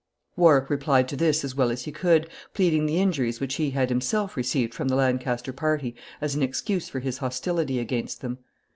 ] Warwick replied to this as well as he could, pleading the injuries which he had himself received from the Lancaster party as an excuse for his hostility against them.